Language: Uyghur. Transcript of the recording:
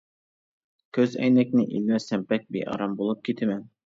كۆزئەينەكنى ئېلىۋەتسەم بەك بىئارام بولۇپ كېتىمەن.